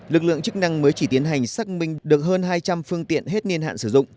lực lượng chức năng mới chỉ tiến hành xác minh được hơn hai trăm linh phương tiện hết niên hạn sử dụng